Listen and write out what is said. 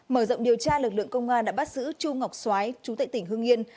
mở rộng điều tra lực lượng công an đã bắt giữ chu ngọc xoái chú tệ tỉnh hương yên